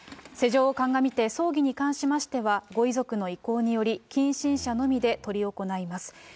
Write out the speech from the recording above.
世情を鑑みて、葬儀に関しましては、ご遺族の意向により、近親者のみで執り行います。